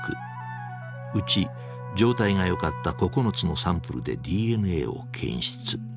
うち状態がよかった９つのサンプルでＤＮＡを検出。